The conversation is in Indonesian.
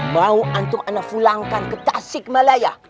mau antum ana pulangkan ke tasik malaya